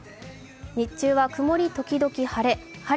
日中は曇り時々晴れ。